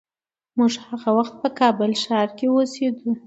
موږ هغه وخت په کابل ښار کې اوسېدو.